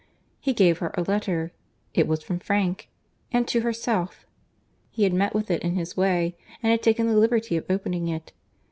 He gave her a letter, it was from Frank, and to herself; he had met with it in his way, and had taken the liberty of opening it.